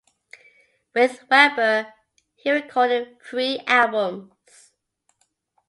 With Weber he recorded three albums.